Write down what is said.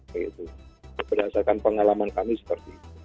berdasarkan pengalaman kami seperti itu